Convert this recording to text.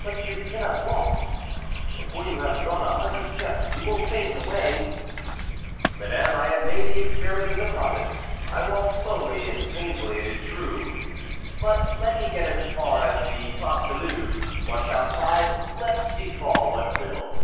"But you cannot walk; before you have gone a hundred steps you will faint away." "Madame, I have made the experiment in the closet, I walk slowly and painfully, it is true; but let me get as far as the Place du Louvre; once outside, let befall what will."